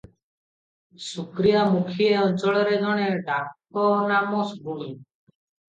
ଶୁକ୍ରିଆ ମୁଖୀ ଏ ଅଞ୍ଚଳରେ ଜଣେ ଡାକନାମ ଗୁଣୀ ।